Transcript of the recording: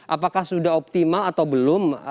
apakah sudah optimal atau belum